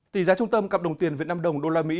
tỷ giá trung tâm cặp đồng tiền việt nam đồng đô la mỹ